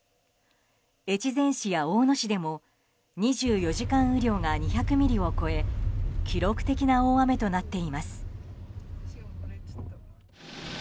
越前市や大野市でも２４時間雨量が２００ミリを超え記録的な大雨となっています。